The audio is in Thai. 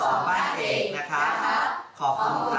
ขอบคุณครับ